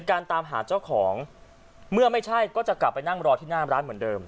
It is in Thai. ตามหาเจ้าของเมื่อไม่ใช่ก็จะกลับไปนั่งรอที่หน้าร้านเหมือนเดิม